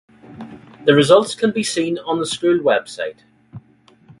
The results can be seen on the school website.